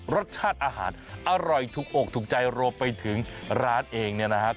รสชาติอาหารอร่อยถูกอกถูกใจรวมไปถึงร้านเองเนี่ยนะครับ